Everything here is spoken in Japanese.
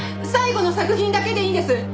最後の作品だけでいいんです！